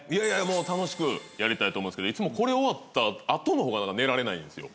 楽しくやりたいと思うんですけどいつもこれ終わった後の方が寝られないんですよ。